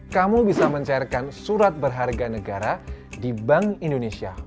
kamu bisa mencairkan surat berharga negara di bank indonesia